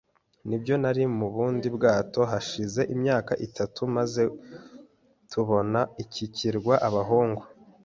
“Nibyo, nari mu bundi bwato hashize imyaka itatu, maze tubona iki kirwa. 'Abahungu,'